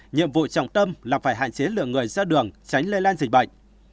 nhiệm vụ trọng tâm là phải hạn chế lượng người ra đường tránh lây lan dịch bệnh